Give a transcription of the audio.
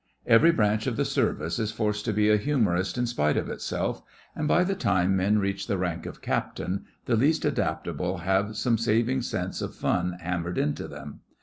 Every branch of the Service is forced to be a humourist in spite of itself; and by the time men reach the rank of Captain the least adaptable have some saving sense of fun hammered into them.